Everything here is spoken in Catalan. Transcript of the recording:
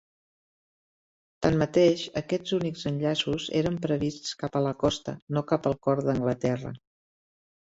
Tanmateix, aquests únics enllaços eren prevists cap a la costa, no cap al cor d'Anglaterra.